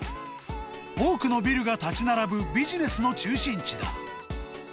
多くのビルが建ち並ぶビジネスの中心地だ。